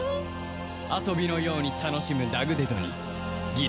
遊びのように楽しむダグデドにギラは怒り